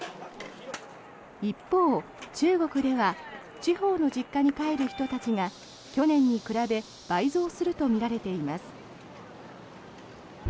一方、中国では地方の実家に帰る人たちが去年に比べ倍増するとみられています。